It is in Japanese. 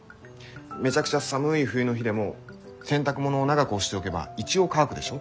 めちゃくちゃ寒い冬の日でも洗濯物を長く干しておけば一応乾くでしょ？